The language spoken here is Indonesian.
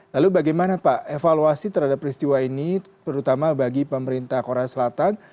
lalu bagaimana pak evaluasi terhadap peristiwa ini terutama bagi pemerintah korea selatan